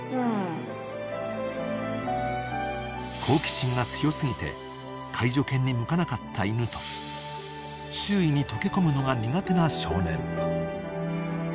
［好奇心が強過ぎて介助犬に向かなかった犬と周囲に溶け込むのが苦手な少年］